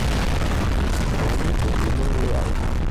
Antônio de Lima Leao